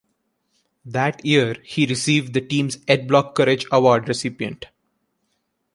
That year, he received the team's Ed Block Courage Award recipient.